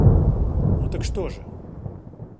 Ну так что же?